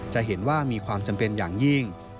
จะเห็นว่ามีความจำเป็นอย่างยิ่ง